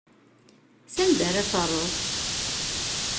S anda ara terreḍ?